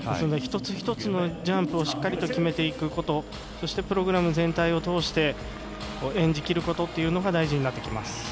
一つ一つのジャンプをしっかり決めていくことそしてプログラム全体を通して演じきることが大事になります。